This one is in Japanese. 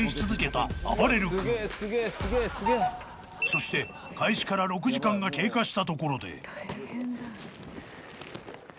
［そして開始から６時間が経過したところで］